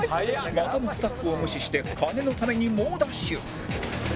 またもスタッフを無視して金のために猛ダッシュ